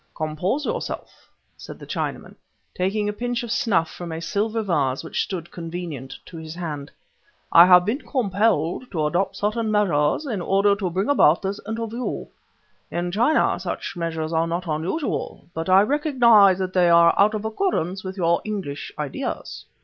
"Compose yourself," said the Chinaman, taking a pinch of snuff from a silver vase which stood convenient to his hand. "I have been compelled to adopt certain measures in order to bring about this interview. In China, such measures are not unusual, but I recognize that they are out of accordance with your English ideas."